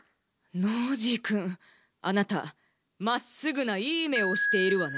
ノージーくんあなたまっすぐないいめをしているわね。